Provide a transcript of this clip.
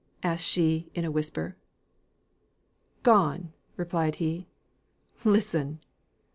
asked she, in a whisper. "Gone!" replied he. "Listen!"